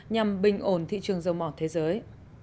nhằm bình ổn thị trường dầu mỏ thế giới